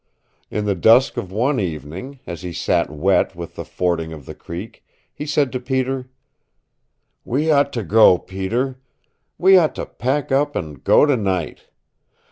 In the dusk of one evening, as he sat wet with the fording of the creek, he said to Peter, "We ought to go, Peter. We ought to pack up and go tonight.